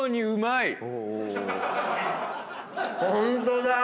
うまい！